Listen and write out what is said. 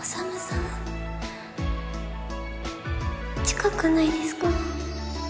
近くないですか？